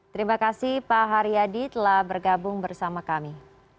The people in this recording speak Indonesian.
terima kasih pak haryadi telah bergabung bersama kami